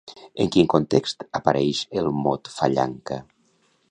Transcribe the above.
En quin context apareix el mot fallanca?